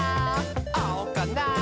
あおかな？